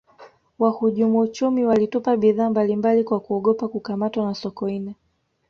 wahujumu uchumi walitupa bidhaa mbali mbali kwa kuogopa kukamatwa na sokoine